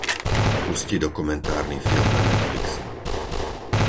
Pusti dokumentárny film na netflixe.